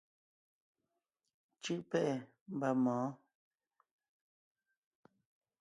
Cú’ pɛ́’ɛ mba mɔ̌ɔn.